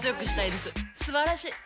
すばらしい！